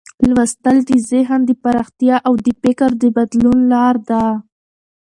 لوستل د ذهن د پراختیا او د فکر د بدلون لار ده.